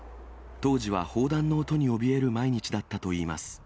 当時は砲弾の音におびえる毎日だったといいます。